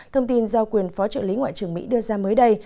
thông tin do quyền phó trợ lý ngoại trưởng mỹ đưa ra mới đây